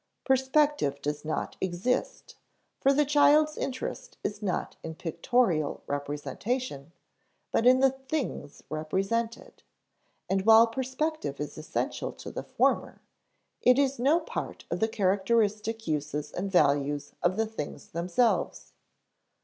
Perspective does not exist, for the child's interest is not in pictorial representation, but in the things represented; and while perspective is essential to the former, it is no part of the characteristic uses and values of the things themselves.